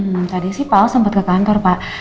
hmm tadi sih pak o sempat ke kantor pak